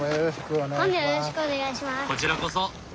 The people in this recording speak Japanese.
こちらこそ！